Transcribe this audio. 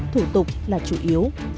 thủ tục là chủ yếu